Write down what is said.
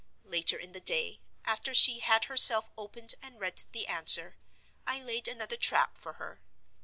Later in the day, after she had herself opened and read the answer, I laid another trap for her.